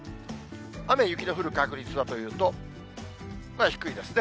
雨や雪の降る確率はというと、低いですね。